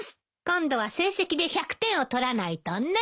今度は成績で１００点を取らないとね。